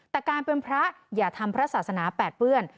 แต่การเป็นพระอย่าทำพระศาสนาแปดเปื้อน